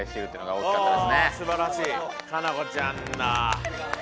おすばらしい可奈子ちゃんだ。